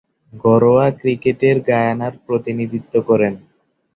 ঘরোয়া ক্রিকেটে গায়ানার প্রতিনিধিত্ব করেন।